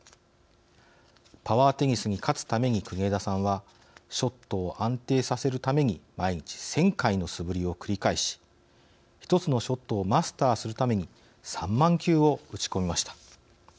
パワーテニスに勝つために国枝さんはショットを安定させるために毎日１０００回の素振りを繰り返し１つのショットをマスターするために３万球を打ち込みました。